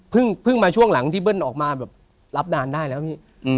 เพิ่งมาช่วงหลังที่เบิ้ลออกมาแบบรับนานได้แล้วพี่